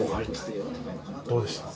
どうでした？